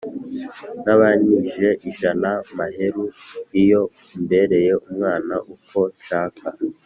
N’abinikije ijanaMaheru iyo umbereyeUmwana uko nshaka